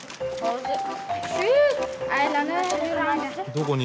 どこに？